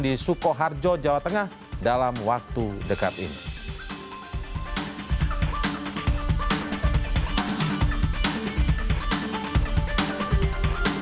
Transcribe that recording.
di sukoharjo jawa tengah dalam waktu dekat ini